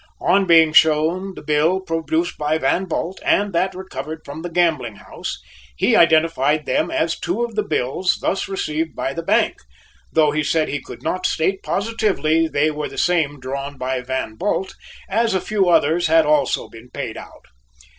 On being shown the bill produced by Van Bult and that recovered from the gambling house, he identified them as two of the bills thus received by the Bank, though he said he could not state positively they were the same drawn by Van Bult as a few others had also been paid out.